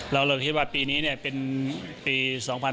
เราก็เลยคิดว่าปีนี้เป็นปี๒๕๖๓